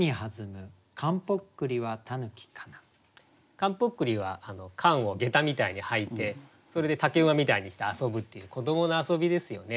「缶ぽっくり」は缶をげたみたいに履いてそれで竹馬みたいにして遊ぶっていう子どもの遊びですよね。